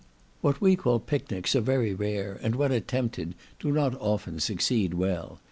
What we call picnics are very rare, and when attempted, do not often succeed well.